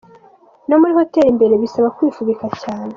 No muri Hotel imbere bisaba kwifubika cyane